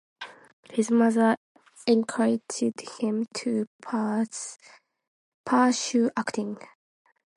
His mother encouraged him to pursue acting.